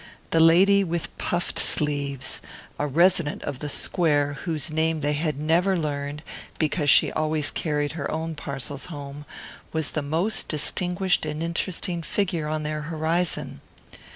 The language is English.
The lady with puffed sleeves a resident of "the Square," whose name they had never learned, because she always carried her own parcels home was the most distinguished and interesting figure on their horizon.